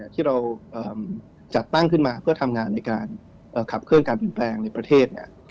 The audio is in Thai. ที่เราจัดตั้งขึ้นมาเพื่อทำงานในการขับเคลื่อนการเปลี่ยนแปลงในประเทศ